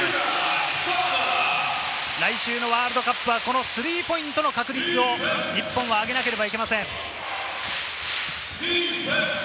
来週のワールドカップはこのスリーポイントの確率を日本は上げなければいけません。